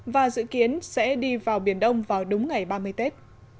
và dự kiến sẽ đi vào biển đông vào đúng ngày ba mươi tết